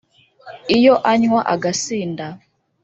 iyo anywa agasinda,